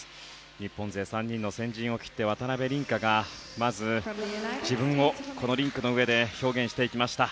日本勢３人の先陣を切って渡辺倫果がまず自分をこのリンクの上で表現していきました。